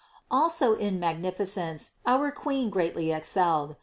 580. Also in magnificence our Queen greatly excelled.